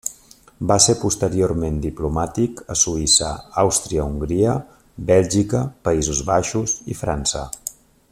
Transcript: Va ser posteriorment diplomàtic a Suïssa, Àustria-Hongria, Bèlgica, Països Baixos i França.